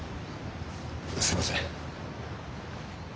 すいません。